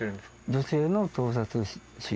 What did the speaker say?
女性の盗撮師？